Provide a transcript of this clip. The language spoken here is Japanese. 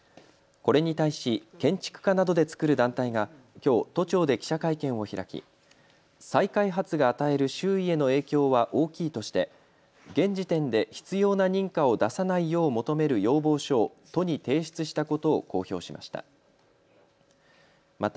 これに対し建築家などで作る団体がきょう都庁で記者会見を開き再開発が与える周囲への影響は大きいとして現時点で必要な認可を出さないよう求める要望書を都に提出したことを公表しました。